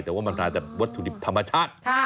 แต่ว่ามันมาจากวัตถุดิบธรรมชาติ